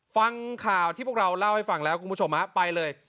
ฟังข่าวที่พวกเราเล่าให้ฟังแล้วคุณผู้ชมไปเลย